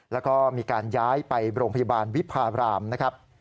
แล้วก็มีการย้ายไปโรงพยาบาลวิพารามนะครับ